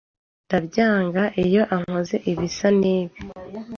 Ndabyanga iyo ankoze ibisa nibi